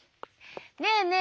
ねえねえ